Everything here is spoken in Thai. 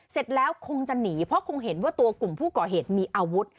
เสร็จแล้วคงจะหนีเพราะคงเห็นว่าตัวกลุ่มผู้ก่อเหตุมีอาวุธ